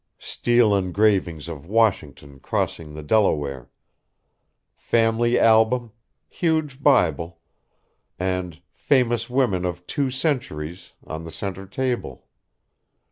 Steel engravings of Washington crossing the Delaware. Family album, huge Bible, and 'Famous Women of Two Centuries' on the centre table.